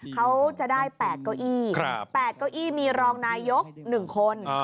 เขาจะได้๘เก้าอี้๘เก้าอี้มีรองนายก๑คน